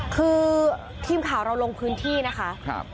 คือทีมข่าวเราลงพื้นที่นะคะ